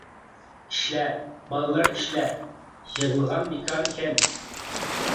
ئىشلە، بالىلار ئىشلە يىغلىغان بىكار ئىكەن.